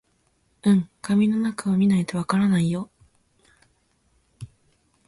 うん、紙の中を見ないとわからないよ